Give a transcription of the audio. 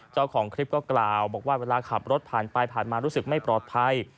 เจ้าของคลิปก็กล่าวบอกว่าเวลาขับรถผ่านไปผ่านมารู้สึกไม่ปลอดภัย